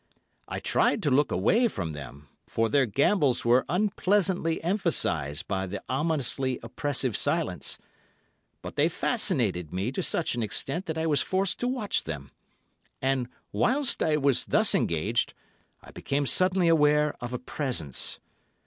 I tried to look away from them, for their gambols were unpleasantly emphasized by the ominously oppressive silence, but they fascinated me to such an extent that I was forced to watch them, and, whilst I was thus engaged, I became suddenly aware of a presence.